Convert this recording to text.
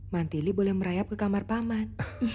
manteli boleh merayap ke kamar paman